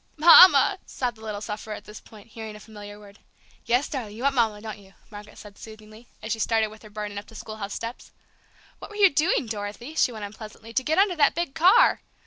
"Mama!" sobbed the little sufferer at this point, hearing a familiar word. "Yes, darling, you want Mama, don't you?" Margaret said soothingly, as she started with her burden up the schoolhouse steps. "What were you doing, Dorothy," she went on pleasantly, "to get under that big car?"